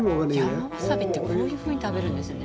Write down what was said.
山ワサビってこういうふうに食べるんですね。